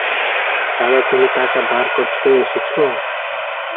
দাদা, তুমি টাকা ধার করতে এসেছ?